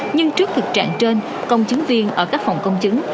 nhưng trước thực trạng trên công chứng viên ở các phòng công chứng